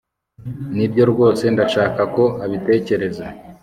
nibyo rwose ndashaka ko abitekereza